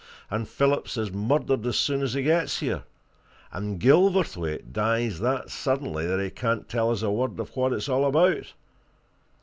And Phillips is murdered as soon as he gets here and Gilverthwaite dies that suddenly that he can't tell us a word of what it's all about!